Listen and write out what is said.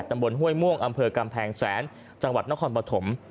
ห้วยม่วงอำเภอกำแพงแสนจังหวัดนครปฐม